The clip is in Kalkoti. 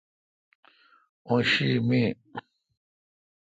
اوں شی می